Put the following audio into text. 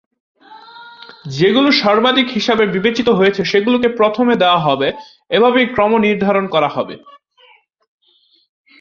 যেগুলো সর্বাধিক হিসেবে বিবেচিত হয়েছে সেগুলোকে প্রথমে দেয়া হবে এবং এভাবেই ক্রম নির্ধারণ করা হবে।